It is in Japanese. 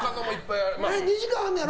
２時間あんねやろ？